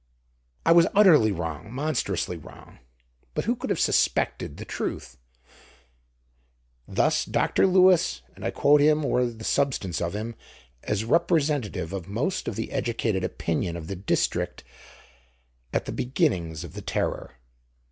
"I was utterly wrong, monstrously wrong. But who could have suspected the truth?" Thus Dr. Lewis, and I quote him, or the substance of him, as representative of most of the educated opinion of the district at the beginnings of the terror.